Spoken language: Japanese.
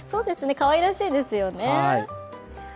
かわいらしいですよね。